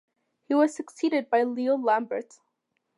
He was succeeded by Leo Lambert.